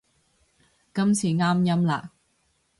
今次啱音啦